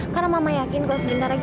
karena mama yakin kalau sebentar lagi